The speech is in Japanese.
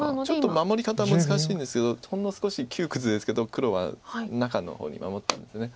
ちょっと守り方難しいんですけどほんの少し窮屈ですけど黒は中の方に守ったんです。